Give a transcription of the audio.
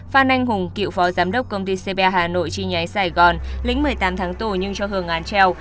phan anh hùng cựu phó giám đốc công ty cb hà nội chi nhánh sài gòn lĩnh một mươi tám tháng tù nhưng cho hưởng án treo